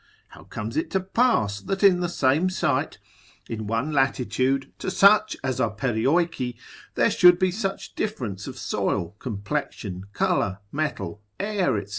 How comes it to pass, that in the same site, in one latitude, to such as are Perioeci, there should be such difference of soil, complexion, colour, metal, air, &c.